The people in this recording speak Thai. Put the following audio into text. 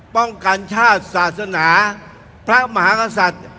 ป้องกันชาติศาสนาพระมหากษัตริย์